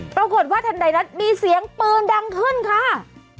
ปรากฏว่าท่านใดนั้นมีเสียงปืนดังขึ้นค่ะ